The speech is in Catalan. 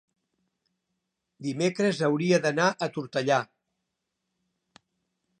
dimecres hauria d'anar a Tortellà.